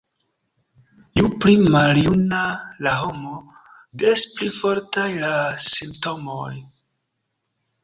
Ju pli maljuna la homo, des pli fortaj la simptomoj.